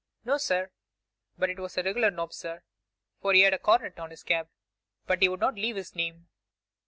'No, sir; but it was a regular nob, sir, for he had a coronet on his cab. But he would not leave his name.